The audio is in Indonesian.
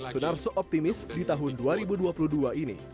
sunarso optimis di tahun dua ribu dua puluh dua ini